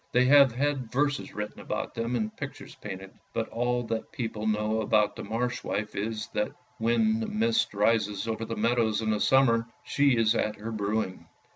They have had verses written about them and pictures painted; but all that people know about the Marsh wife, is that when the mist rises over the meadows in the summer, she is at her brewing.